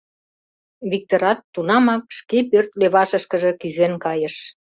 Виктырат тунамак шке пӧрт левашышкыже кӱзен кайыш.